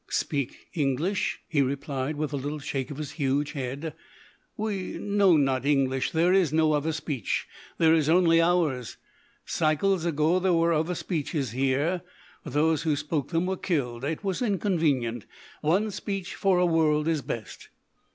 "Speak English?" he replied, with a little shake of his huge head. "We know not English, but there is no other speech. There is only ours. Cycles ago there were other speeches here, but those who spoke them were killed. It was inconvenient. One speech for a world is best."